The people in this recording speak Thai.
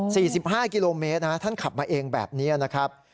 สิบห้ากิโลเมตรฮะท่านขับมาเองแบบนี้นะครับ